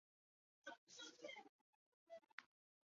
他的这种痛楚较可能是心理因素而非生理因素。